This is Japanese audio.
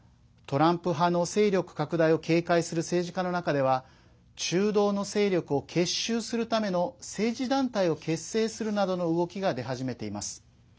トランプ派の勢力拡大を警戒する政治家の中では中道の勢力を結集するための政治団体を結成するなどの動きが出始めています。